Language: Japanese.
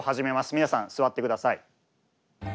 皆さん座ってください。